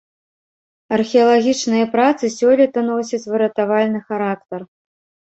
Археалагічныя працы сёлета носяць выратавальны характар.